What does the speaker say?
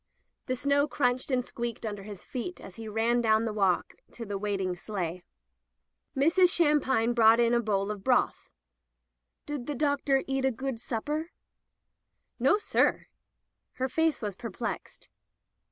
'* The snow crunched and squeaked under his feet as he ran down the walk to the waiting sleigh. Mrs. Shampine brought in a bowl of broth. "Did the doctor eat a good supper?" "Nossir." Her face was perplexed.